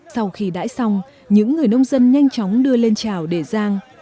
sau khi đãi xong những người nông dân nhanh chóng đưa lên trào để rang